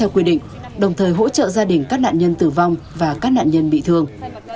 quy định đồng thời hỗ trợ gia đình các nạn nhân tử vong và các nạn nhân bị thương